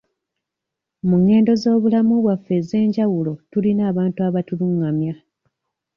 Mu ngendo z'obulamu bwaffe ez'enjawulo tulina abantu abatulungamya.